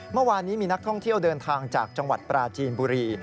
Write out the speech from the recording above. เมื่อวานนี้มีนักท่องเที่ยวเดินทางจากจังหวัดปราจีนบุรี